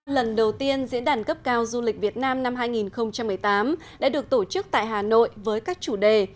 lần đầu tiên diễn đàn cấp cao du lịch việt nam năm hai nghìn một mươi tám đã được tổ chức tại hà nội với các chủ đề